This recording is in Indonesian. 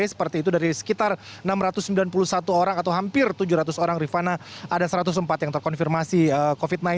seperti itu dari sekitar enam ratus sembilan puluh satu orang atau hampir tujuh ratus orang rifana ada satu ratus empat yang terkonfirmasi covid sembilan belas